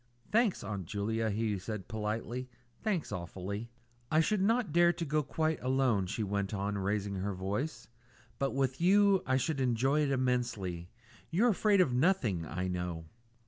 "Thanks, Aunt Julia," he said politely; "thanks awfully." "I should not dare to go quite alone," she went on, raising her voice; "but with you I should enjoy it immensely. You're afraid of nothing, I know."